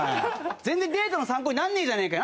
全然デートの参考になんねえじゃねえかよ。